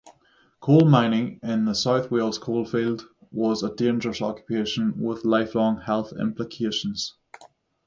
Coal-mining in the South Wales coalfield was a dangerous occupation with lifelong health implications.